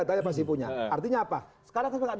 atau huruf d